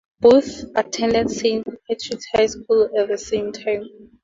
Both attended Saint Patrick's High School at the same time.